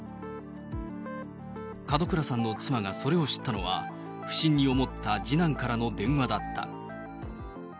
門倉さんの妻がそれを知ったのは、不審に思った次男からの電話だった。